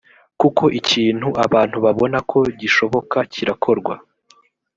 kuko ikintu abantu babona ko gishoboka kirakorwa